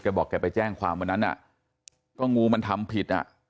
บอกแกไปแจ้งความวันนั้นอ่ะก็งูมันทำผิดอ่ะ